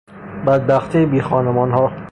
بدبختی بیخانمانها